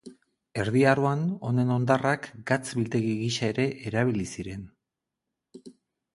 Erdi Aroan honen hondarrak gatz biltegi gisa ere erabili ziren.